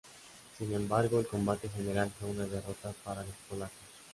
Sin embargo, el combate general fue una derrota para los polacos.